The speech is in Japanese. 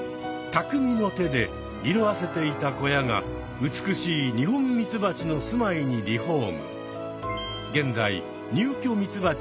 たくみの手で色あせていた小屋が美しいニホンミツバチのすまいにリフォーム。